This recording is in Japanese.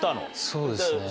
そうですね。